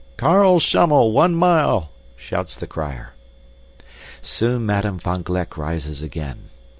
"Carl Schummel, one mile!" shouts the crier. Soon Madame van Gleck rises again.